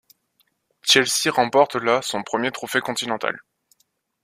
Chelsea remporte là son premier trophée continental.